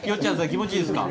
気持ちいいですか？